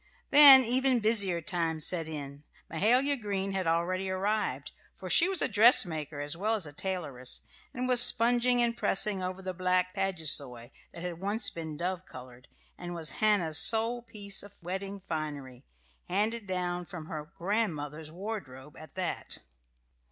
Then even busier times set in. Mahala Green had already arrived, for she was dressmaker as well as tailoress, and was sponging and pressing over the black paduasoy that had once been dove coloured and was Hannah's sole piece of wedding finery, handed down from her grandmother's wardrobe at that.